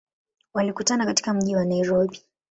Walikutana katika mji wa Nairobi.